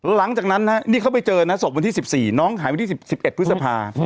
หลังจากนั้นน่ะนี่เขาไปเจอนะฮะศพวันที่สิบสี่น้องหายไปที่สิบเอ็ดพฤษภา